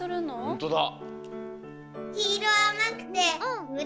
ほんとだ。